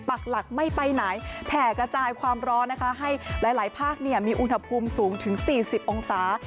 ปากหลักไม่ไปไหนแผ่กระจายความร้อนนะคะให้หลายภาคมีอุณหภูมิสูงถึง๔๐องศา